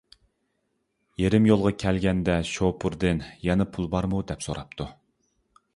يېرىم يولغا كەلگەندە شوپۇردىن يەنە پۇل بارمۇ دەپ سوراپتۇ.